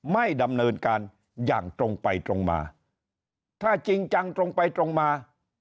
ไม่ดำเนินการอย่างตรงไปตรงมาถ้าจริงจังตรงไปตรงมา